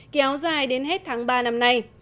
kéo dài đến hết tháng ba năm nay